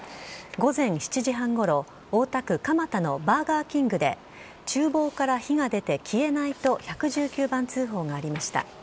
午前７時半ごろ、大田区蒲田のバーガーキングで、ちゅう房から火が出て消えないと、１１９番通報がありました。